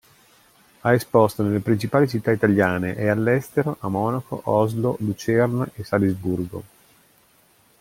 Ha esposto nelle principali città italiane e, all'estero, a Monaco, Oslo, Lucerna e Salisburgo.